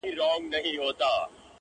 نور به خبري نه کومه، نور به چوپ اوسېږم~